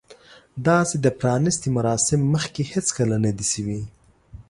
داسې د پرانیستې مراسم مخکې هیڅکله نه دي شوي.